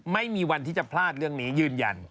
ไม่มีวันที่จะพลาดเรื่องนี้ยืนยัน